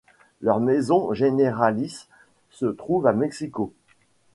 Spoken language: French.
Leur maison généralice se trouve à Mexico.